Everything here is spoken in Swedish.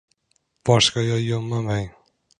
Var ska jag gömma mig?